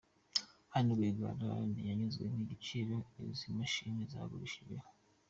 Anne Rwigara ntiyanyuzwe n’ igiciro izi mashini zagurishijweho.